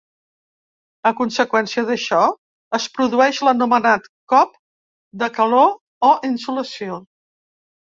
A conseqüència d'això es produeix l'anomenat cop de calor o insolació.